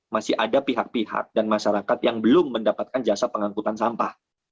masih ada pihak pihak dan masyarakat yang belum mendapatkan jasa pengangkutan sampah